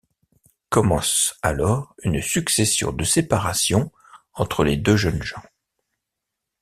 Commence alors une succession de séparations entre les deux jeunes gens.